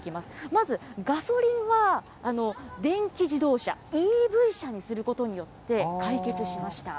まず、ガソリンは電気自動車・ＥＶ車にすることによって、解決しました。